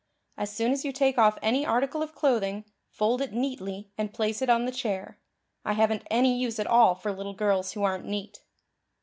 As soon as you take off any article of clothing fold it neatly and place it on the chair. I haven't any use at all for little girls who aren't neat."